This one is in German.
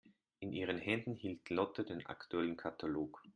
In ihren Händen hielt Lotte den aktuellen Katalog.